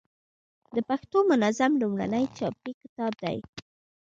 د پښتو منظم لومړنی چاپي کتاب دﺉ.